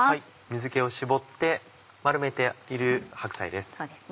水気を絞って丸めている白菜です。